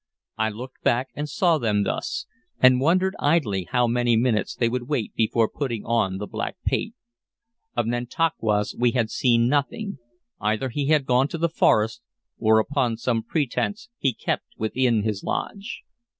I looked back and saw them thus, and wondered idly how many minutes they would wait before putting on the black paint. Of Nantauquas we had seen nothing. Either he had gone to the forest, or upon some pretense he kept within his lodge.